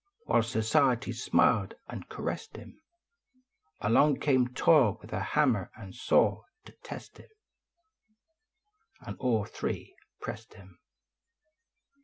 While Society smiled and caressed iin, Along came Toil with a hammer and saw to test Mm And all three pressed im.